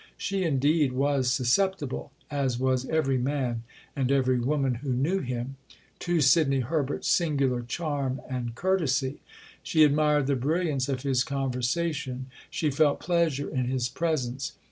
She, indeed, was susceptible, as was every man and every woman who knew him, to Sidney Herbert's singular charm and courtesy; she admired the brilliance of his conversation; she felt pleasure in his presence.